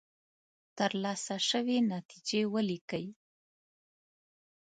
ترلاسه شوې نتیجې ولیکئ.